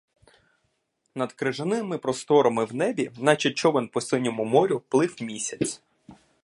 Над крижаними просторами в небі, наче човен по синьому морю, плив місяць.